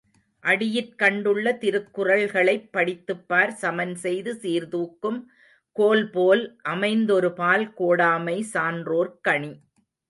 அடியிற் கண்டுள்ள திருக்குறள்களைப் படித்துப்பார் சமன்செய்து சீர்தூக்கும் கோல்போல் அமைந்தொருபால் கோடாமை சான்றோர்க் கணி.